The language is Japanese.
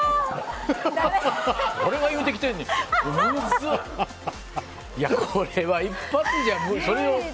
誰が言うてきてんねん！